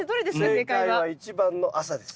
正解は１番の「朝」です。